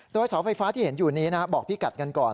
โดยเสาไฟฟ้าที่เห็นอยู่นี้นะบอกพี่กัดกันก่อน